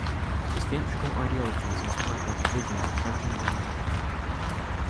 His theatrical ideology is inspired by the visions of Antonin Artaud.